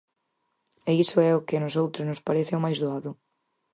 E iso é o que a nosoutros nos parece o máis doado.